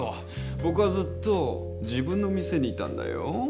ぼくはずっと自分の店にいたんだよ。